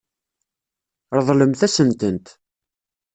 Ṛeḍlemt-asen-tent.